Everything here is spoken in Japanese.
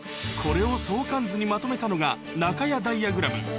これを相関図にまとめたのが、ナカヤダイヤグラム。